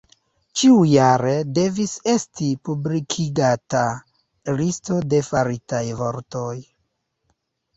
Ĉiujare devis esti publikigata listo de faritaj vortoj.